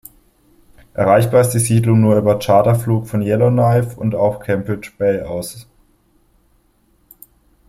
Erreichbar ist die Siedlung nur über Charterflug von Yellowknife und auch Cambridge Bay aus.